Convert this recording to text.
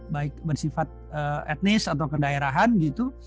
baik bersifat etnis atau kedaerahan gitu